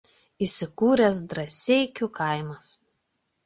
Įsikūręs Drąseikių kaimas.